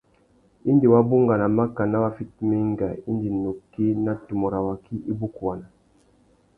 Indi wa bungana makana wa fitimú enga indi nukí na tumu râ waki i bukuwana.